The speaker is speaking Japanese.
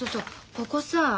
ここさ